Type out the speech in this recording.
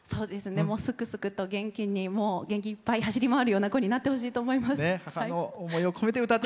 すくすくと元気に元気いっぱい走り回るような子になってほしいと思います。